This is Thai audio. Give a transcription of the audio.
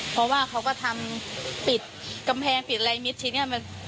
เพราะว่าเค้าก็ทำปิดกำแพงปิดไลมิตรชิ้นเนี่ย